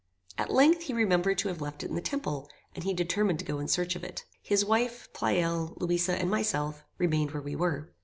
At length, he remembered to have left it in the temple, and he determined to go in search of it. His wife, Pleyel, Louisa, and myself, remained where we were.